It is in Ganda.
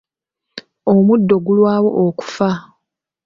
Omuddo gulwawo okufa.